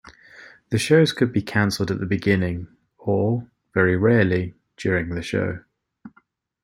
The shows could be canceled at the beginning or, very rarely, during the show.